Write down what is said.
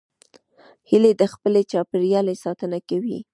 هیلۍ د خپل چاپېریال ساتنه کوي